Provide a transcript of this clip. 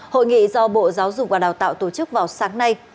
hội nghị do bộ giáo dục và đào tạo tổ chức vào sáng nay